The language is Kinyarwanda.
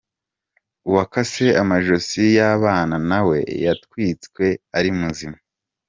Uwakase amajosi y’abana na we yatwitswe ari muzima